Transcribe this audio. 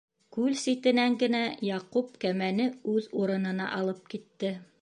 Күл ситенән генә Яҡуп кәмәне үҙ урынына алып китте.